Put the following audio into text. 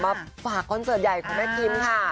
ฝากคอนเสิร์ตใหญ่ของแม่คิมค่ะ